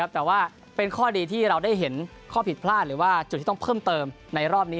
แต่ว่าเป็นข้อดีที่เราได้เห็นข้อผิดพลาดหรือว่าจุดที่ต้องเพิ่มเติมในรอบนี้